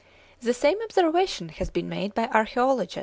The same observation has been made by archaeologists (26.